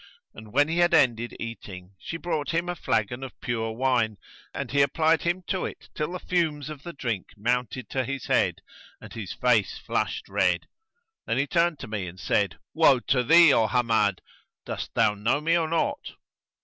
And when he had ended eating, she brought him a flagon of pure wine and he applied him to it till the fumes of the drink mounted to his head and his face flushed red. Then he turned to me and said, "Woe to thee, O Hammad! dost thou know me or not?"